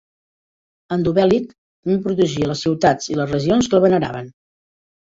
Endovèlic també protegia les ciutats i les regions que el veneraven.